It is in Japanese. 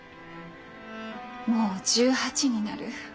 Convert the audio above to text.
もう１８になる。